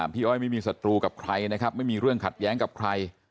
อ้อยไม่มีศัตรูกับใครนะครับไม่มีเรื่องขัดแย้งกับใคร